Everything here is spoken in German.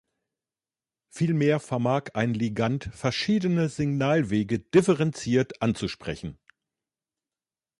Vielmehr vermag ein Ligand verschiedene Signalwege differenziert anzusprechen.